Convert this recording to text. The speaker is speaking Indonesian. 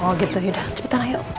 oh gitu yaudah cepetan ayo